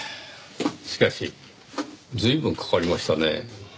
しかし随分かかりましたねぇ。